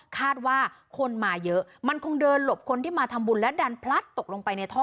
คาดว่าคนมาเยอะมันคงเดินหลบคนที่มาทำบุญและดันพลัดตกลงไปในท่อ